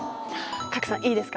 賀来さんいいですか？